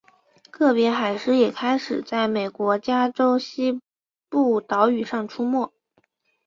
个别海狮也开始在美国加州西部岛屿上出没。